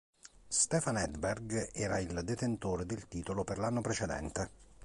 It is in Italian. Stefan Edberg era il detentore del titolo per l'anno precedente.